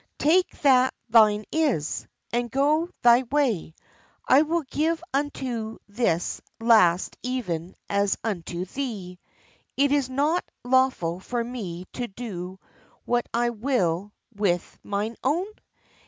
Take that thine is, and go thy way: I will give unto this last even as unto thee. Is it not lawful for me to do what I will with mine own?